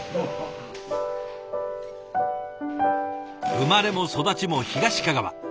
生まれも育ちも東かがわ。